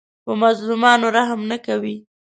په مظلومانو رحم نه کوي